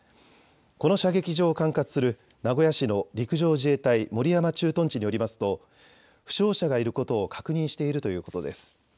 この射撃場を管轄する名古屋市の陸上自衛隊守山駐屯地によりますと負傷者がいることを確認しているということです。